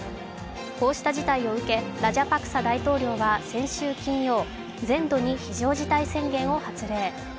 こうした事態を受けラジャパクサ大統領は先週金曜、全土に非常事態宣言を発令。